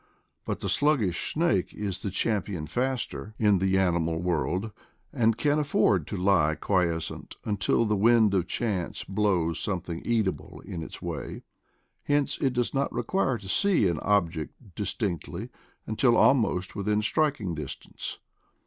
But the sluggish snake is the champion faster in the animal world, and can afford to lie quiescent until the wind of chance blows something eatable in its way; hence it does not require to see an object distinctly until almost within striking dis tance.